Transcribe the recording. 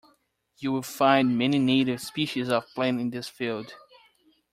You'll find many native species of plant in this field